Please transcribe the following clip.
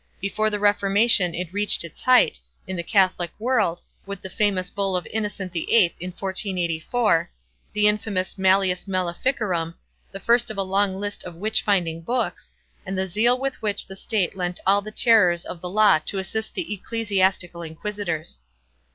Before the Reformation it reached its height, in the Catholic world, with the famous bull of Innocent the Eighth in 1484, the infamous Malleus Maleficarum, the first of the long list of witch finding books, and the zeal with which the State lent all the terrors of the law to assist the ecclesiastical inquisitors.